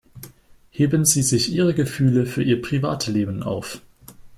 Heben Sie sich Ihre Gefühle für Ihr Privatleben auf!